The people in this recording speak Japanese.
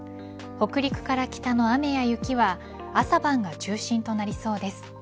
北陸から北の雨や雪は朝晩が中心となりそうです。